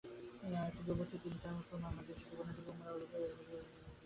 কিন্তু উপস্থিত তিনি তাঁহার মুসলমান মাঝির শিশু কন্যাটিকে উমারূপে পূজা করিতেছিলেন।